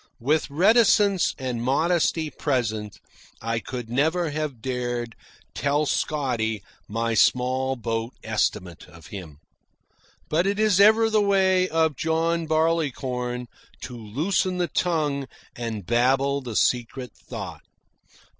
With reticence and modesty present, I could never have dared tell Scotty my small boat estimate of him. But it is ever the way of John Barleycorn to loosen the tongue and babble the secret thought.